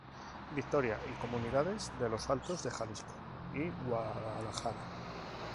Victoria y comunidades de los altos de Jalisco y Guadalajara.